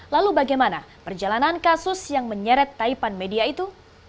lalu bagaimana perjalanan kasus yang menyeret taipan media itu